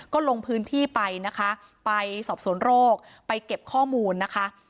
ก็ลงพื้นที่ไปนะคะไปสอบสวนโรคไปเก็บข้อมูลนะคะ